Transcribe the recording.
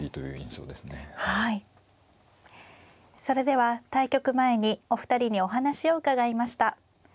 それでは対局前にお二人にお話を伺いました。